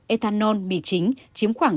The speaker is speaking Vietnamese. ethanol bì chính chiếm khoảng tám mươi năm